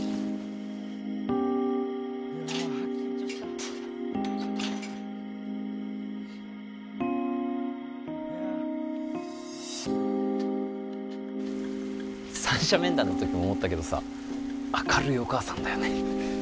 あ緊張した三者面談のときも思ったけどさ明るいお母さんだよね